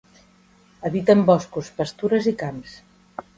Habita en boscos, pastures i camps.